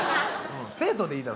生徒でいいだろ。